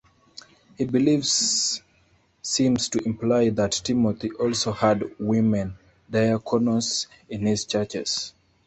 He believes seems to imply that Timothy also had women "diakonos" in his churches.